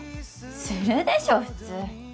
するでしょ普通